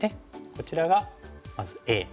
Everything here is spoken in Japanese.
こちらがまずＡ。